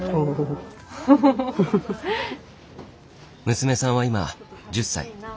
娘さんは今１０歳。